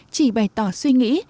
chỉ bày tỏ suy nghĩ